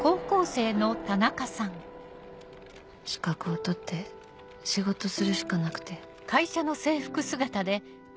資格を取って仕事するしかなくて。